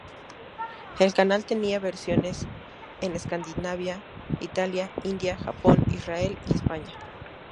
El canal tenía versiones en Escandinavia, Italia, India, Japón, Israel y España.